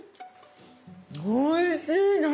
おいしい何？